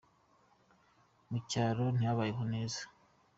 Mucyaro ntibabayeho neza